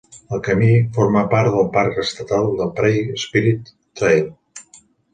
El camí forma part del parc estatal de Prairie Spirit Trail.